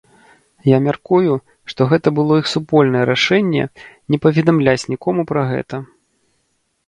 Я мяркую, што гэта было іх супольнае рашэнне не паведамляць нікому пра гэта.